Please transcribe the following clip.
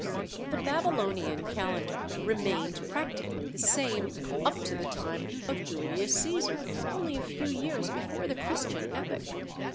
The Babylonian calendar remained practically the same up to the time of Julius Caesar, only a few years before the Christian Epoch.